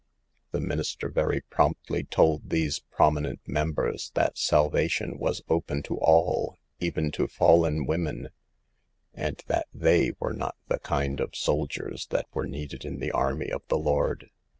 The minister very promptly told these "prominent members" that salva tion was open to all, even to fallen women, and that they were not the kind of soldiers that are needed in the army of the Lord.